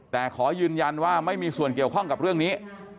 แต่ขอยืนยันว่าไม่มีส่วนเกี่ยวข้องกับเรื่องนี้